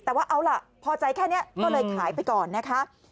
แต่ว่าเอาล่ะพอใจแค่นี้ก็เลยขายไปก่อนนะคะ